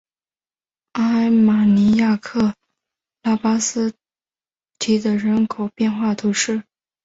阿尔马尼亚克拉巴斯提德人口变化图示